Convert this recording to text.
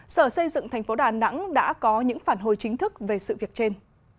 sở xây dựng thành phố đà nẵng đã có những phản hồi chính thức về sự việc trên